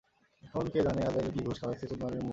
এখন কে জানে আযারাইলরে কী ঘুষ খাওয়াইছে, চুদমারানি মরেই না।